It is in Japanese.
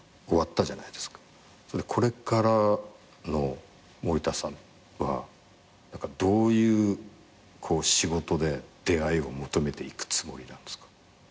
これからの森田さんはどういう仕事で出会いを求めていくつもりなんですか？